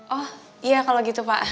oh iya kalau gitu pak